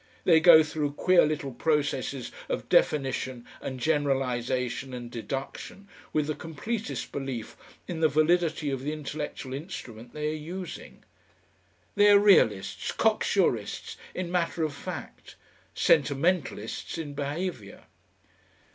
They go through queer little processes of definition and generalisation and deduction with the completest belief in the validity of the intellectual instrument they are using. They are Realists Cocksurists in matter of fact; sentimentalists in behaviour.